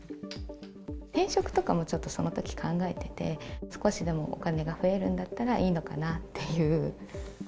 転職とかもちょっとそのとき考えてて、少しでもお金が増えるんだったらいいのかなっていう。